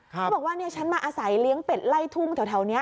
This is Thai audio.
เขาบอกว่าฉันมาอาศัยเลี้ยงเป็ดไล่ทุ่งแถวนี้